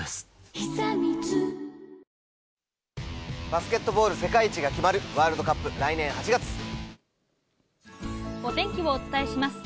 バスケットボール世界一が決まるワールドカップ、お天気をお伝えします。